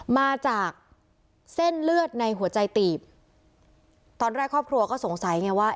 มาจากเส้นเลือดในหัวใจตีบตอนแรกครอบครัวก็สงสัยไงว่า